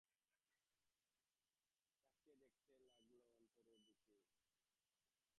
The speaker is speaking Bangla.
তাকিয়ে দেখতে লাগল অন্তরের দিকে।